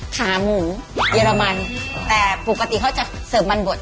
ขาหมูเยอรมันแต่ปกติเขาจะเสิร์ฟมันบด